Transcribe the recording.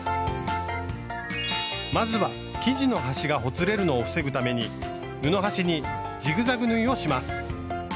まずは生地の端がほつれるのを防ぐために布端にジグザグ縫いをします。